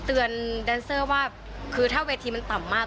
แดนเซอร์ว่าคือถ้าเวทีมันต่ำมาก